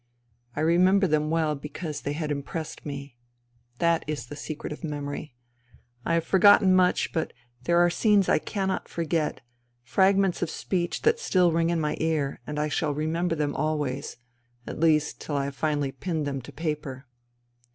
I remember them well because they had impressed me. That is the secret of memory. I have forgotten much, but there are scenes I cannot forget, fragments of speech that still ring in my ear, and I shall remember them always ; at least, till I have finally pinned them to paper.